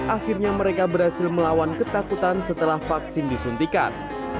akhirnya mereka berhasil melawan ketakutan setelah vaksin disuntikan